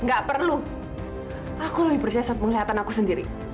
apaan kamu kesini